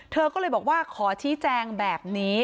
เธอก็เลยบอกว่าขอชี้แจงแบบนี้